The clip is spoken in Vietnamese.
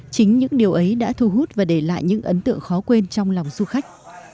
chính những điều ấy đã thu hút và để lại những ấn tượng khó quên trong lòng du khách